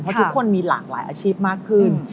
เพราะทุกคนมีหลากหลายอาชีพมากขึ้น